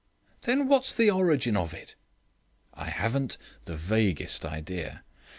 "Then what's the origin of it?" "I haven't the vaguest idea."